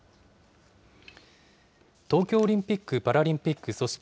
東京オリンピック・パラリンピック組織